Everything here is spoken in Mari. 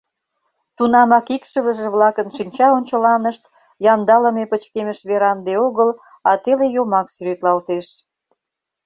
Тунамак икшывыже-влакын шинча ончыланышт яндалыме пычкемыш веранде огыл, а теле йомак сӱретлалтеш.